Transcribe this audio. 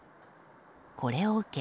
これを受け